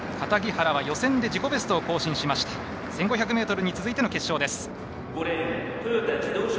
樫原は予選で自己ベストを更新しました１５００ｍに続いての決勝です。